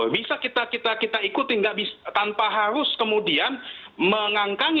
bisa kita ikuti tanpa harus kemudian mengangkangi